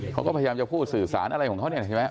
เขาก็พยายามจะพูดสื่อสารอะไรของเขาเนี่ยใช่ไหม